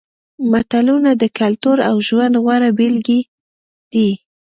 متلونه د کلتور او ژوند غوره بېلګې دي